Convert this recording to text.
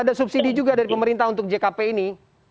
ada subsidi juga dari pemerintah untuk jkp ini